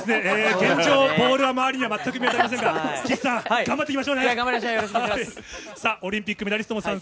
現状、ボールは周りには全く見当たりませんが、岸さん、頑張っていきま